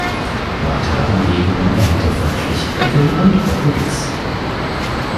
Weitere Anregungen erhält er von Erich Heckel und Otto Dix.